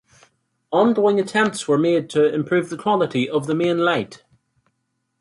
Ongoing attempts were made to improve the quality of the main light.